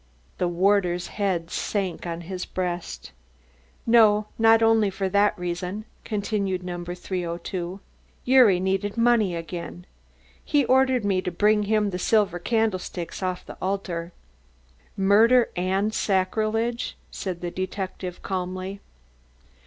The warder's head sank on his breast. "No, not only for that reason," continued No. 302. "Gyuri needed money again. He ordered me to bring him the silver candlesticks off the altar." "Murder and sacrilege," said the detective calmly.